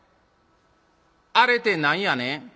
「『あれ』て何やねん？」。